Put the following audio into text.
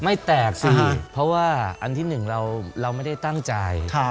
ไม่แตกสิเพราะว่าอันที่หนึ่งเราไม่ได้ตั้งใจ